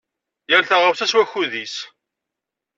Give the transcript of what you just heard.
Yal taɣawsa s wakud-is.